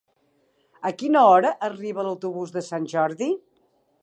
A quina hora arriba l'autobús de Sant Jordi?